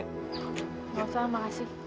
gak usah makasih